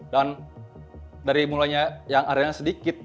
dan dari mulanya yang areanya sedikit